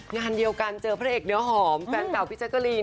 งานเดียวกันเจอพระเอกเนื้อหอมแฟนเก่าพี่แจ๊กกะลีน